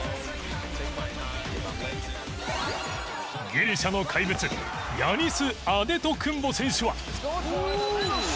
ギリシャの怪物ヤニス・アデトクンボ選手は。